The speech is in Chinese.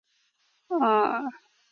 位于目黑区西部。